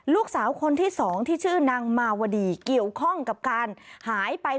ลูกสาวคนที่สองที่ชื่อนางมาวดีเกี่ยวข้องกับการหายไป